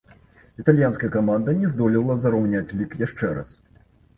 Італьянская каманда не здолела зраўняць лік яшчэ раз.